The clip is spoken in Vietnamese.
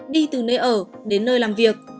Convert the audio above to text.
đi từ nơi ở đến nơi làm việc